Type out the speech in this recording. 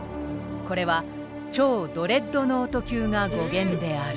これは「超ドレッドノート級」が語源である。